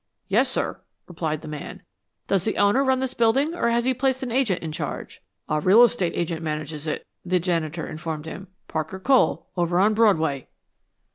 "Yes, sir," replied the man. "Does the owner run this building, or has he placed an agent in charge?" "A real estate agent manages it," the janitor informed him. "Parker Cole over on Broadway."